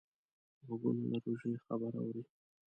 غوږونه د روژې خبر اوري